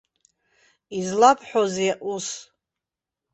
Излабҳәозеи ус.